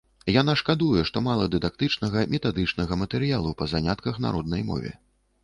Яна шкадуе, што мала дыдактычнага, метадычнага матэрыялу па занятках на роднай мове.